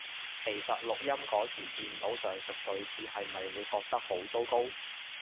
其實錄音嗰時見到上述句子係咪會覺得好糟糕？